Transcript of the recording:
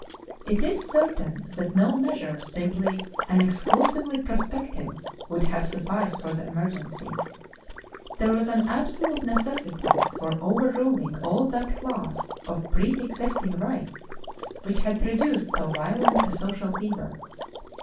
It is certain that no measure simply and exclusively prospective would have sufficed for the emergency. There was an absolute necessity for overruling all that class of preëxisting rights which had produced so violent a social fever.